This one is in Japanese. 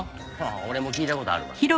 俺も聞いた事あるわ。